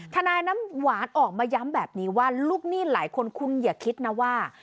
นายน้ำหวานออกมาย้ำแบบนี้ว่าลูกหนี้หลายคนคุณอย่าคิดนะว่า